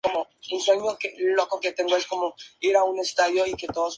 Los efectos secundarios son generalmente pocos.